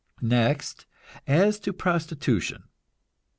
Next, as to prostitution.